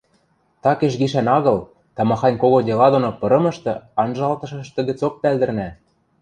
Такеш гишӓн агыл, тамахань кого дела доно пырымышты анжалтышышты гӹцок пӓлдӹрнӓ.